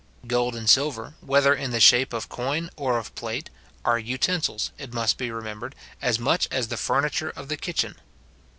Gold and silver, whether in the shape of coin or of plate, are utensils, it must be remembered, as much as the furniture of the kitchen.